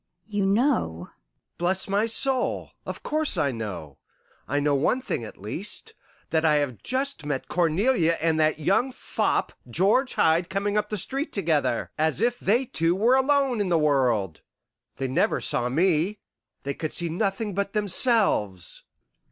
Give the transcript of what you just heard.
"You know " "Bless my soul! of course I know. I know one thing at least, that I have just met Cornelia and that young fop George Hyde coming up the street together, as if they two alone were in the world. They never saw me, they could see nothing but themselves."